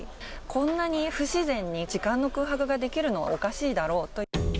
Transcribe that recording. こんなに不自然に時間の空白が出来るのはおかしいだろうと。